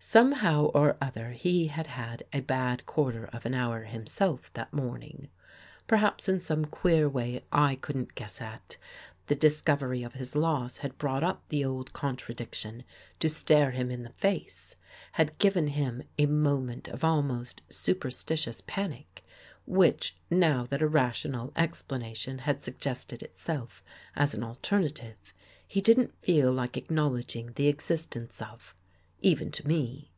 Somehow or other, he had had a bad quarter of an hour himself that morning. Perhaps in some queer way I couldn't guess at, the discovery of his loss had brought up the old contra diction to stare him in the face — had given him a moment of almost superstitious panic, which, now that a rational explanation had suggested itself as an alternative, he didn't feel like acknowledging the ex istence of, even to me.